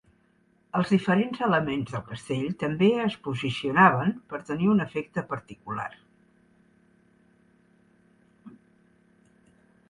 Els diferents elements del castell també es posicionaven per tenir un efecte particular.